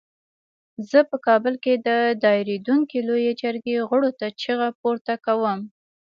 زه په کابل کې د دایریدونکې لویې جرګې غړو ته چیغه پورته کوم.